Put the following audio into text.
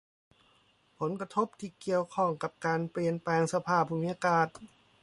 ผลกระทบที่เกี่ยวข้องกับการเปลี่ยนแปลงสภาพภูมิอากาศ